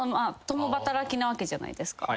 共働きなわけじゃないですか。